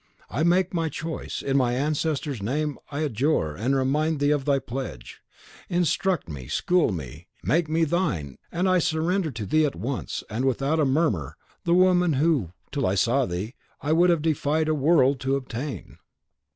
I make my choice. In my ancestor's name, I adjure and remind thee of thy pledge. Instruct me; school me; make me thine; and I surrender to thee at once, and without a murmur, the woman whom, till I saw thee, I would have defied a world to obtain."